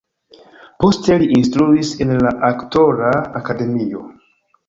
Poste li instruis en la aktora akademio.